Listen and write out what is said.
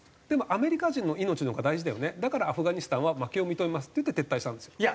でもアメリカ人の命のほうが大事だよねだからアフガニスタンは負けを認めますって言って撤退したんですよ。